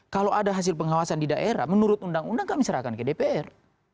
kalau ada hasil pengawasan di daerah menurut undang undang kami serahkan ke dpr